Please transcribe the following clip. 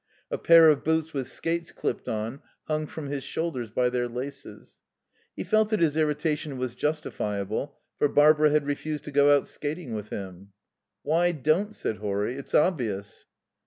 A pair of boots with skates clipped on hung from his shoulders by their laces. He felt that his irritation was justifiable, for Barbara had refused to go out skating with him. "Why 'don't'?" said Horry. "It's obvious."